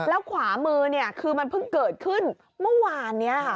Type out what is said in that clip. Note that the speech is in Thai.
แล้วขวามือเนี่ยคือมันเพิ่งเกิดขึ้นเมื่อวานนี้ค่ะ